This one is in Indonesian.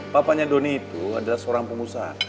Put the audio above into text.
papanya doni itu adalah seorang pengusaha